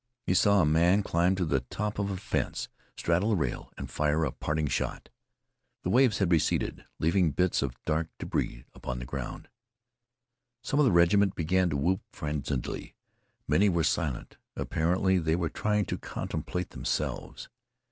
He saw a man climb to the top of the fence, straddle the rail, and fire a parting shot. The waves had receded, leaving bits of dark débris upon the ground. Some in the regiment began to whoop frenziedly. Many were silent. Apparently they were trying to contemplate themselves.